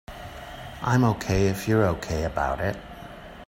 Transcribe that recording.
I'm OK if you're OK about it.